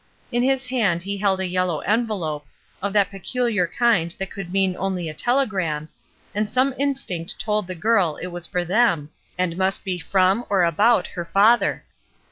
In his hand he held a yellow envelope, of that pecuhax kuid that could mean only a telegram, and some instinct told the girl it was for them, and must be from, or about, her father.